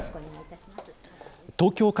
東京